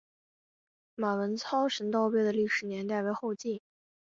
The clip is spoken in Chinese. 马文操神道碑的历史年代为后晋。